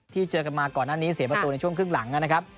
เจอกันมาก่อนหน้านี้เสียประตูในช่วงครึ่งหลังนะครับ